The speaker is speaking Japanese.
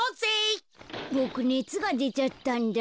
ボクねつがでちゃったんだ。